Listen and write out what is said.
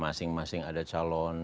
masing masing ada calon